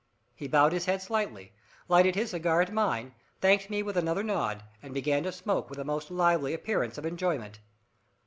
He bowed his head slightly, lighted his cigar at mine, thanked me with another nod, and began to smoke with a most lively appearance of enjoyment.